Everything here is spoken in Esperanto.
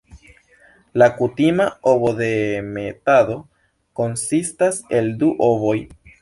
La kutima ovodemetado konsistas el du ovoj.